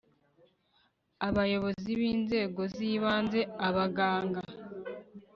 abayobozi b inzego z ibanze abaganga